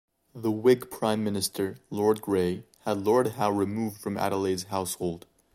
The Whig Prime Minister, Lord Grey, had Lord Howe removed from Adelaide's household.